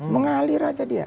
mengalir aja dia